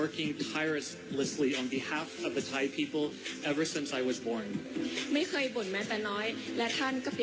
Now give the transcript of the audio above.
คนนั้นก็คือนายรัวของดิฉันค่ะ